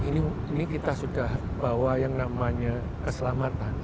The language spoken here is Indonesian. ini kita sudah bawa yang namanya keselamatan